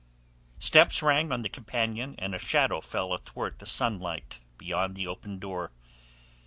Steps rang on the companion, and a shadow fell athwart the sunlight beyond the open door.